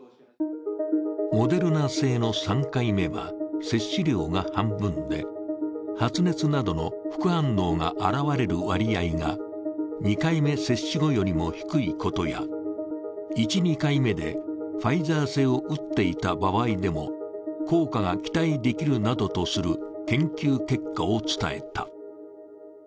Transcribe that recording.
モデルナ製の３回目は、接種量が半分で発熱などの副反応が現れる割合が２回目接種後よりも低いことや１、２回目でファイザー製を打っていた場合でも効果が期待できるなどとする研究結果を伝えた。